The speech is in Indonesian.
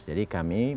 jadi kami berpandangan